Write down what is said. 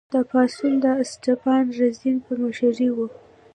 دا پاڅون د اسټپان رزین په مشرۍ و.